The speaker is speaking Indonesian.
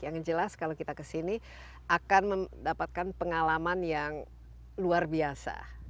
yang jelas kalau kita ke sini akan mendapatkan pengalaman yang luar biasa